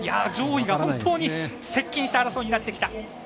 上位が本当に接近した争いになってきた。